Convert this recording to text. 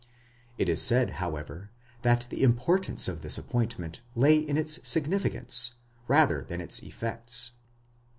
It is said, however, that the importance of this appointment lay in its significance, rather than in its effects.